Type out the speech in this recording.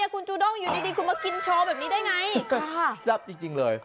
คุณจูด้องอยู่ดีคุณกินช้อแบบนี้ได้ไง